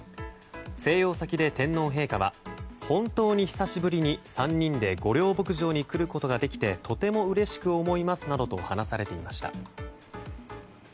静養先で天皇陛下は本当に久しぶりに３人で御料牧場に来ることができてとてもうれしく思いますなどと話されていました。